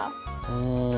うん。